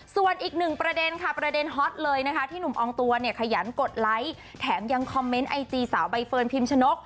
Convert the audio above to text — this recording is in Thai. ส่วนอีกหนึ่งประเด็นค่ะประเด็นฮอตเลยนะคะที่หนุ่มอองตัวเนี่ยขยันกดไลค์แถมยังคอมเมนต์ไอจีสาวใบเฟิร์นพิมชนก